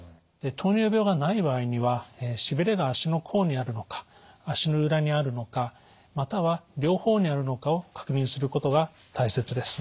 糖尿病がない場合にはしびれが足の甲にあるのか足の裏にあるのかまたは両方にあるのかを確認することが大切です。